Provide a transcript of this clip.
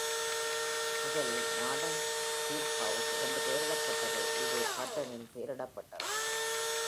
முதலில் Norton field house என்று பெயரிடப்பட்டது, இது ஹட்டனின் பெயரிடப்பட்டது.